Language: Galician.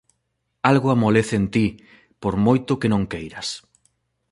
Algo amolece en ti, por moito que non queiras.